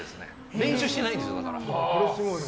練習してないんです、だから。